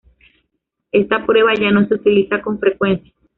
Esta prueba ya no se utiliza con frecuencia.